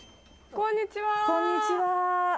こんにちは。